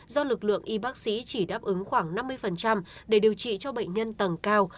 do lực lượng y bác sĩ chỉ đáp ứng khoảng năm mươi để điều trị cho bệnh nhân tầng cao